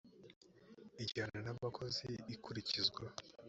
ijyana n abakozi ikurikizwa